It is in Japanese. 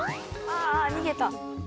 あ逃げた。